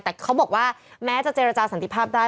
แต่เขาบอกว่าแม้จะเจรจาสันติภาพได้